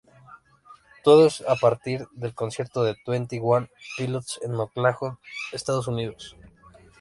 Todo esto a partir del concierto de Twenty One Pilots en Oakland, Estados Unidos.